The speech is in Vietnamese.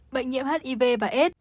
bệnh nhiễm hiv và aids